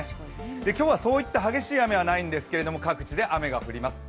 今日はそういった激しい雨はないんですが、各地で雨が降ります